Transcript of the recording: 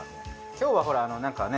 今日はほらなんかね